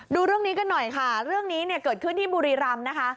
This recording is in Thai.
ดูเรื่องนี้กันหน่อยค่ะเรื่องนี้เนี่ยเกิดขึ้นที่บุรีรำนะคะ